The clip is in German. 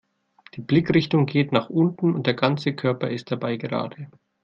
Die Blickrichtung geht nach unten und der ganze Körper ist dabei gerade.